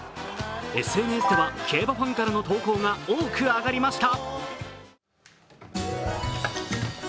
ＳＮＳでは、競馬ファンからの投稿が多く上がりました。